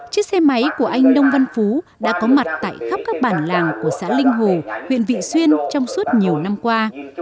chiếc xe máy của anh nông văn phú đã có mặt tại khắp các bản làng của xã linh hồ huyện vị xuyên trong suốt nhiều năm qua